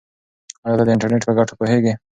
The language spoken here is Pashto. آیا ته د انټرنیټ په ګټو پوهېږې؟